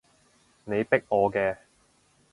你逼我嘅